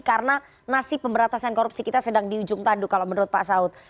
karena nasib pemberantasan korupsi kita sedang di ujung tanduk kalau menurut pak saud